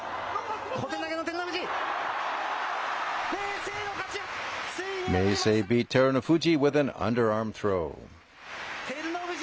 小手投げの照ノ富士。